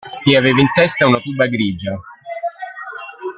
E aveva in testa una tuba grigia.